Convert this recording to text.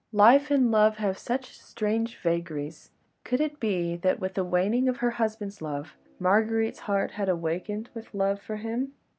Life and love have such strange vagaries. Could it be that with the waning of her husband's love, Marguerite's heart had awakened with love for him?